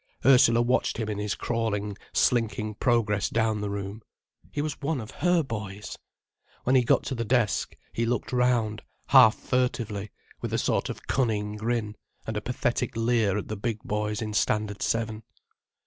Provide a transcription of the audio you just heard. Ursula watched him in his crawling, slinking progress down the room. He was one of her boys! When he got to the desk, he looked round, half furtively, with a sort of cunning grin and a pathetic leer at the big boys in Standard VII.